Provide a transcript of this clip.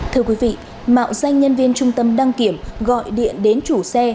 thưa quý vị mạo danh nhân viên trung tâm đăng kiểm gọi điện đến chủ xe